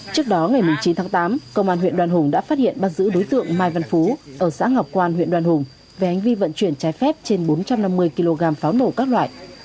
trước đó ngày chín tháng tám công an huyện đoan hùng đã phát hiện bắt giữ đối tượng mai văn phú ở xã ngọc quan huyện đoàn hùng về hành vi vận chuyển trái phép trên bốn trăm năm mươi kg pháo nổ các loại